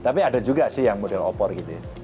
tapi ada juga sih yang model opor gitu ya